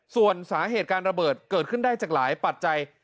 ส่วนสาเหตุการระเบิดเกิดขึ้นได้จากหลายปัจจัย